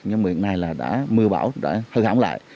nhưng hiện nay mưa bão đã hư hỏng lại